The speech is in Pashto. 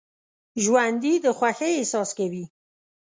ژوندي د خوښۍ احساس کوي